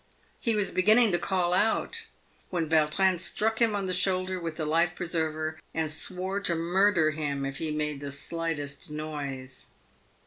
He was beginning to call out, w T hen Vautrin struck him on the shoulder with the life preserver, and swore to murder him if he made the slightest noise.